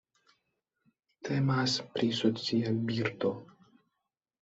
Temas pri socia birdo.